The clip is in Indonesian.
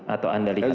atau anda lihat